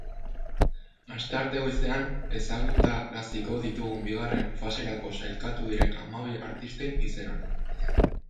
Astearte goizean ezagutaraziko ditugu bigarren faserako sailkatu diren hamabi artisten izenak.